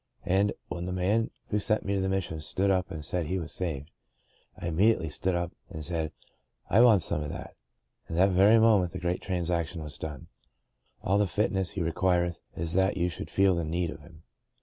And, when the man who sent me to the Mis sion stood up and said he was saved, I im mediately stood up and said, * I want some of that,' and that very moment the great transaction was done. *A11 the fitness He requireth is that you should feel the need of Him.'